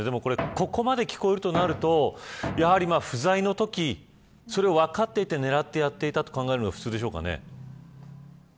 ここまで聞こえるとなると不在のときを分かっていて狙ってやっていたと考えるのが普通でしょうかね。